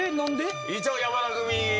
一応山田組。